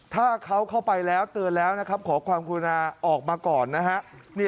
ถ้าเข้าไปแล้วเตือนขอความคุณาครับ